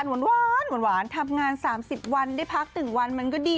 ใช้แคปชั่นหวานทำงาน๓๐วันได้พักถึงวันมันก็ดี